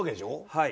はい。